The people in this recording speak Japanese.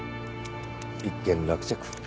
一件落着。